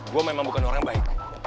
gue memang bukan orang baik